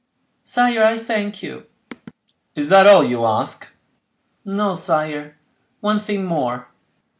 "Sire, I thank you." "Is that all you ask?" "No, sire, one thing more."